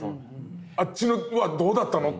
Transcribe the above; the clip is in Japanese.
あっちのはどうだったのって。